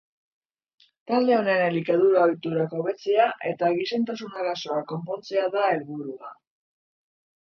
Talde honen elikadura-ohiturak hobetzea eta gizentasun arazoak konpontzea da helburua.